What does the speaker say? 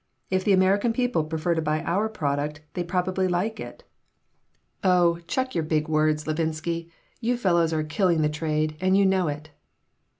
If the American people prefer to buy our product they probably like it." "Oh, chuck your big words, Levinsky. You fellows are killing the trade, and you know it."